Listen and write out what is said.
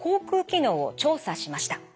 機能を調査しました。